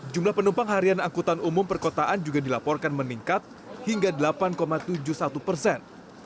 jumlah penumpang harian angkutan umum perkotaan juga dilaporkan meningkat hingga delapan tujuh puluh satu persen